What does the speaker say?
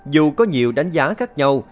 dù có nhiều đánh giá khác nhau